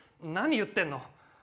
何言ってんの？